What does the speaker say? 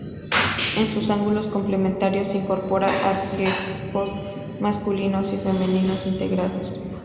En sus ángulos complementarios incorpora arquetipos masculinos y femeninos integrados.